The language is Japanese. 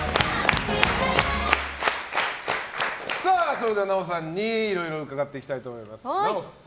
それでは、奈緒さんにいろいろ伺っていきたいと思います。